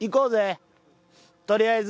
とりあえず。